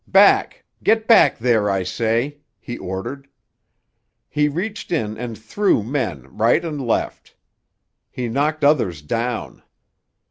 "Back! Get back there, I say!" he ordered. He reached in and threw men right and left. He knocked others down.